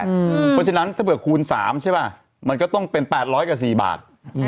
เพราะฉะนั้นถ้าเผื่อคูณ๓ใช่ป่ะมันก็ต้องเป็น๘๐๐กับ๔บาท